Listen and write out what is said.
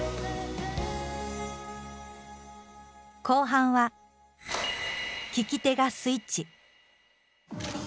後半は聞き手がスイッチ。